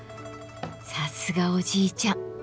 さすがおじいちゃん。